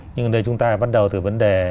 nhưng ở đây chúng ta bắt đầu từ vấn đề